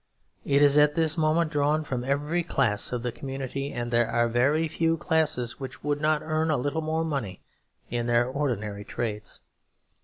It is at this moment drawn from every class of the community, and there are very few classes which would not earn a little more money in their ordinary trades.